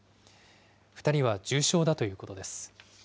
２人は重傷だということです。